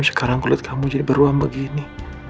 sekarang kulit kamu jadi beruang begini